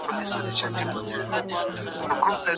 د کره کتني ژبه له عامې ژبې کره وي.